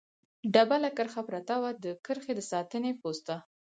ډبله کرښه پرته وه، د کرښې د ساتنې پوسته.